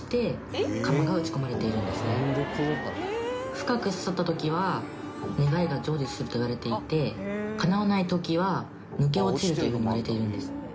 深く刺さった時は願いが成就するといわれていてかなわない時は抜け落ちるという風にいわれているんです。